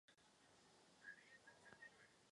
Pomalu také startují přípravy na třetí studiové album.